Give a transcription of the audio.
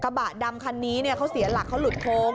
บะดำคันนี้เขาเสียหลักเขาหลุดโค้ง